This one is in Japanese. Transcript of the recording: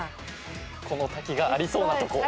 この滝がありそうなとこ。